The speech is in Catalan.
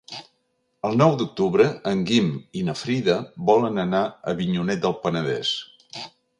El nou d'octubre en Guim i na Frida volen anar a Avinyonet del Penedès.